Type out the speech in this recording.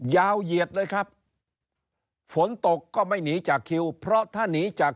เหยียดเลยครับฝนตกก็ไม่หนีจากคิวเพราะถ้าหนีจาก